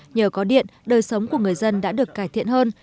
nhờ có điện đời sống của người dân đã được cải thiện hơn